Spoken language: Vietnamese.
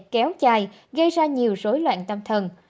kéo dài gây ra nhiều rối loạn tâm thần